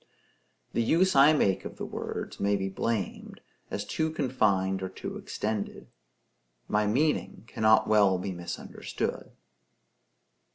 The use I make of the words may be blamed, as too confined or too extended; my meaning cannot well be misunderstood.